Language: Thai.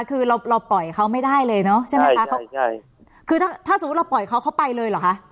คือเราเราปล่อยเขาไม่ได้เลยเนอะใช่ไหมคะคือถ้าถ้าสมมุติเราปล่อยเขาเขาไปเลยเหรอคะ